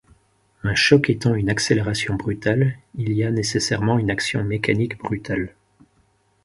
Un choc étant une accélération brutale, il y a nécessairement une action mécanique brutale.